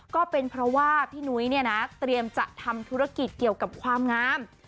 ก็เป็นเพราะว่าพี่นุ้ยเนี่ยนะเตรียมจะทำธุรกิจเกี่ยวกับความงาม